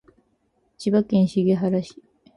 千葉県茂原市